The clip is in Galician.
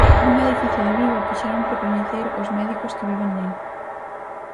Nun edificio de Vigo quixeron recoñecer os médicos que viven nel.